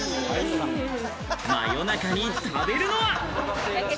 夜中に食べるのは。